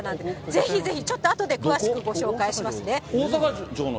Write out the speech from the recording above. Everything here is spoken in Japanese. ぜひぜひ、ちょっと後で詳しくご紹介しますね。